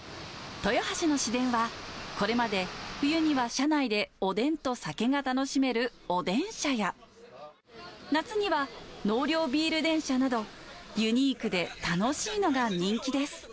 豊橋の市電は、これまで冬には車内でおでんと酒が楽しめるおでんしゃや、夏には納涼ビール電車など、ユニークで楽しいのが人気です。